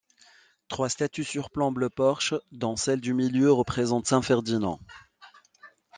Trois statues surplombent le porche dont celle du milieu représente saint Ferdinand.